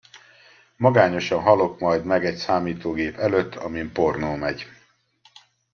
Magányosan halok majd meg egy számítógép előtt, amin pornó megy.